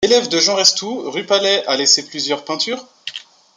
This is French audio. Élève de Jean Restout, Rupalley a laissé plusieurs peintures.